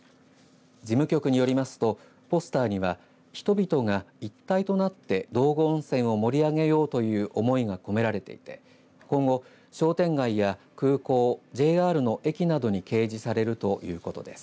事務局によりますとポスターには人々が一体となって道後温泉を盛り上げようという思いが込められていて今後、商店街や空港ＪＲの駅などに掲示されるということです。